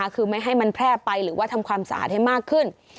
คือไม่ให้มันแพร่ไปหรือว่าทำความสะอาดให้มากขึ้น